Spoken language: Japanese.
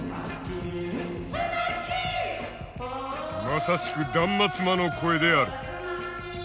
まさしく断末魔の声である。